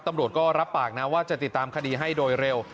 ตำรวจก็รับปากนะว่าจะติดตามคดีให้โดยเร็ว